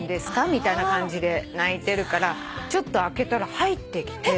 みたいな感じで鳴いてるからちょっと開けたら入ってきて。